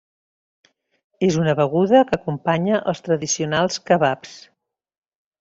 És una beguda que acompanya els tradicionals kebabs.